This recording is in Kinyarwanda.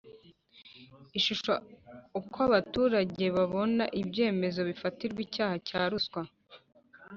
Ishusho Uko abaturage babona ibyemezo bifatirwa icyaha cya ruswa